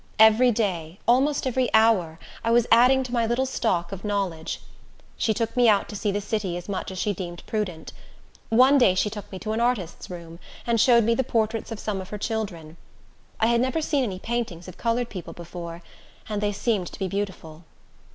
Every day, almost every hour, I was adding to my little stock of knowledge. She took me out to see the city as much as she deemed prudent. One day she took me to an artist's room, and showed me the portraits of some of her children. I had never seen any paintings of colored people before, and they seemed to be beautiful.